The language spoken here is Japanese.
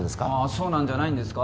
そうなんじゃないんですか？